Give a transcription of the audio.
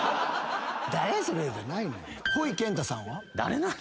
「誰やそれ？」じゃないのよ。